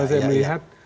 kalau saya melihat